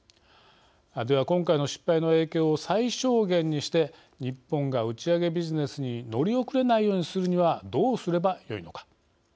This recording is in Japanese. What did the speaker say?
では、今回の失敗の影響を最小限にして日本が打ち上げビジネスに乗り遅れないようにするにはどうすればよいのか。